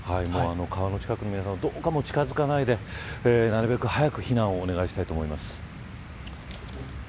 川の近くの皆さんはどうか近づかないでなるべく早く避難をお願いしたいと思います。